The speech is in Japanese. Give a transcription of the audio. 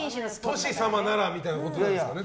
トシ様ならみたいなことですかね。